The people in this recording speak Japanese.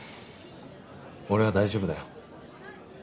俺は大丈夫だよ。